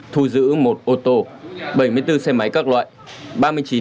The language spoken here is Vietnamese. thu giữ một ô tô bảy mươi bốn xe máy các loại